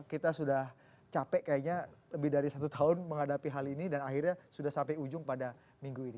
kita sudah capek kayaknya lebih dari satu tahun menghadapi hal ini dan akhirnya sudah sampai ujung pada minggu ini